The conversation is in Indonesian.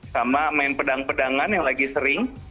sama main pedang pedangan yang lagi sering